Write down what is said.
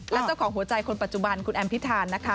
และเจ้าของหัวใจคนปัจจุบันคุณแอมพิธานนะคะ